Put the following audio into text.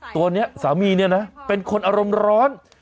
ตัวนี้สามีเนี่ยนะเป็นคนอารมณ์ร้อน